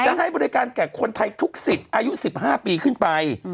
จะให้บริการแก่คนไทยทุก๑๐อายุ๑๕ปีขึ้นไป